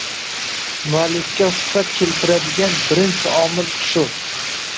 Muallifga shuhrat keltiradigan birinchi omil shu.